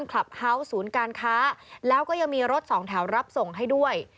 คลับเฮาส์ศูนย์การค้าแล้วก็ยังมีรถสองแถวรับส่งให้ด้วย